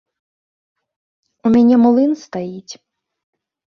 У мяне млын стаіць.